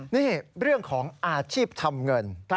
นี่เรื่องของอาชีพทำเงิน